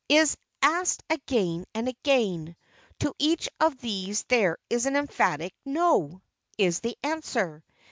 is asked again and again. To each of these an emphatic "No!" is the answer.